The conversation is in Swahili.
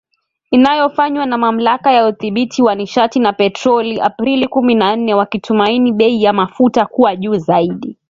Inayofanywa na Mamlaka ya Udhibiti wa Nishati na Petroli Aprili kumi na nne, wakitumaini bei ya mafuta kuwa juu zaidi